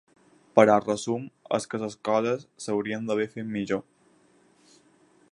Però el resum és que les coses s’haurien d’haver fet millor.